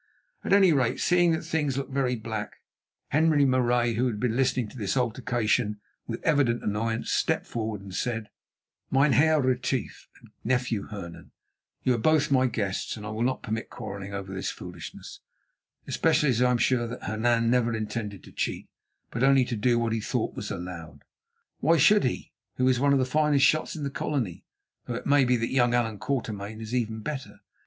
At any rate, seeing that things looked very black, Henri Marais, who had been listening to this altercation with evident annoyance, stepped forward and said: "Mynheer Retief and nephew Hernan, you are both my guests, and I will not permit quarrelling over this foolishness, especially as I am sure that Hernan never intended to cheat, but only to do what he thought was allowed. Why should he, who is one of the finest shots in the Colony, though it may be that young Allan Quatermain here is even better?